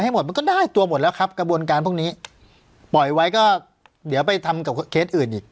หมดมันก็ได้ตัวหมดแล้วครับกระบวนการพวกนี้ปล่อยไว้ก็เดี๋ยวไปทำกับเคสอื่นอีก